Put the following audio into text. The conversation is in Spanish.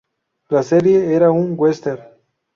La serie era un western.